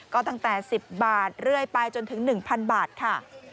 ก็ตั้งแต่๑๐บาทเรื่อยไปจนถึง๑๐๐๐บาทค่ะ